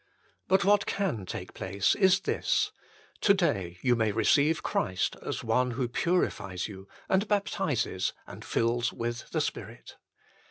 But what can take place is this : to day you may receive Christ as One who purifies you, and baptizes, and fills with the Spirit.